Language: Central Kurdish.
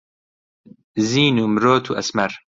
زین و مرۆت و ئەسمەر